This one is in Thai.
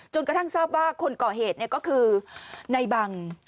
กระทั่งทราบว่าคนก่อเหตุก็คือในบัง